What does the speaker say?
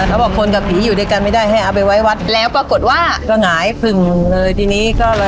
เขาบอกคนกับผีอยู่ด้วยกันไม่ได้ให้เอาไปไว้วัดแล้วปรากฏว่าสงายผึ่งเลยทีนี้ก็เลย